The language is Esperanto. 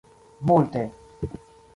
multe